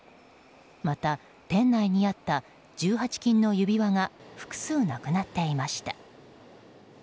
また、店内にあった１８金の指輪が複数なくなっていました。